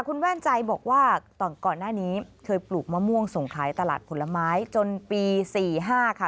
คุณแว่นใจบอกว่าก่อนหน้านี้เคยปลูกมะม่วงส่งขายตลาดผลไม้จนปี๔๕ค่ะ